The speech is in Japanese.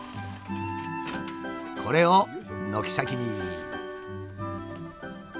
これを軒先に。